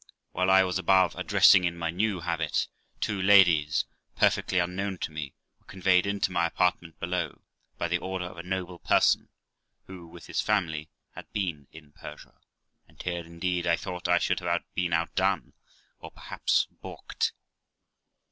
While I was above, a dressing in my new habit, two ladies, perfectly unknown to me, were conveyed into my apartment below, by the order of a noble person, who, with his family, had been in Persia; and here, indeed, I thought I should have been outdone, or perhaps balked.